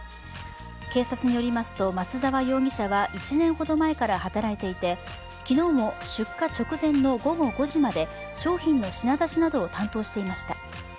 警察によりますと、松沢容疑者は１年ほど前から働いていて、昨日も出荷直前の午後５時まで商品の品出しなどを担当していました。